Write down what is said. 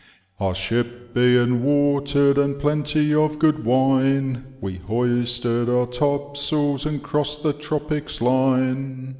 *• Our ship being watered, and plenty of good wine. We hoisted our topsails, and crossed the tropic's lioe.